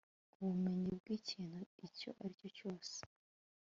ubumenyi bw'ikintu icyo ari cyo cyose